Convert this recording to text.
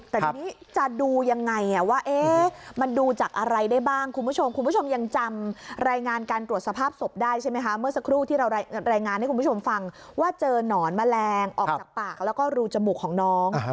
แต่ทีนี้จะดูยังไงว่ามันดูจากอะไรได้บ้างคุณผู้ชมคุณผู้ชมยังจำรายงานการตรวจสภาพศพได้ใช่ไหมคะเมื่อสักครู่ที่เรารายงานให้คุณผู้ชมฟังว่าเจอหนอนแมลงออกจากปากแล้วก็รูจมูกของน้อง